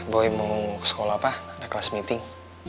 boy mau ke sekolah pak ada kelas meeting